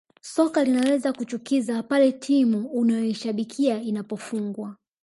Soka linaweza kuchukiza pale timu unayoishabikia inapofungwa